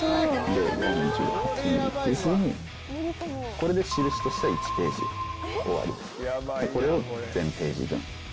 これで印としては１ページ終わりです。